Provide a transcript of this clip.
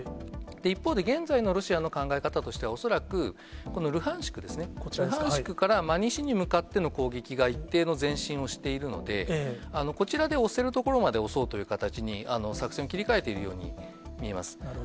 一方で、現在のロシアの考え方としては、恐らくこのルハンシクですね、ルハンシクから西に向かっての攻撃が一定の前進をしているので、こちらで押せるところまで押そうという形に作戦を切り替えているように見えます。